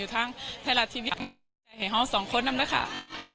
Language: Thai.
อยู่ทางท้ายรัฐทีวีทำแลงแข่งห้องสองคนนั้นแม่ค่ะ